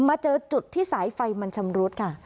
เจอจุดที่สายไฟมันชำรุดค่ะ